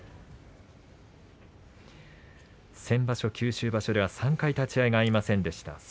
先場所、九州場所では３回立ち合いが合いませんでした。